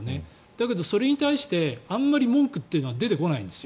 だけどそれに対してあまり文句は出てこないんです。